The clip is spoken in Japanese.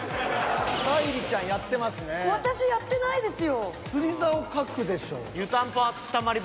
私やってないですよ。